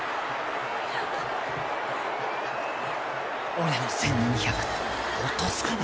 ［俺の１，２００落とすかね］